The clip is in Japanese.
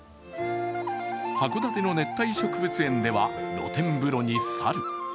函館の熱帯植物園では、露天風呂に猿。